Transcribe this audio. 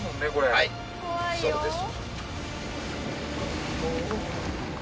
はいそうです。